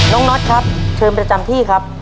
น็อตครับเชิญประจำที่ครับ